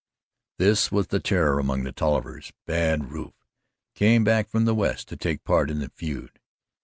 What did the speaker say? This was the terror among the Tollivers Bad Rufe, come back from the West to take part in the feud.